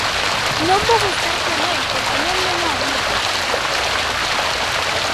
Non vou estar con el porque non vén a Vigo.